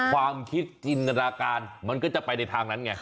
ความคิดจินตนาการมันก็จะไปในทางนั้นไง